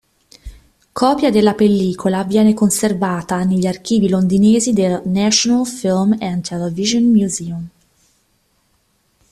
Copia della pellicola viene conservata negli archivi londinesi del National Film and Television Museum.